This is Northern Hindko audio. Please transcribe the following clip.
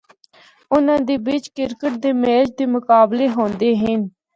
اُناں دے بچ کرکٹ دے میچ دے مقابلے ہوندے ہن۔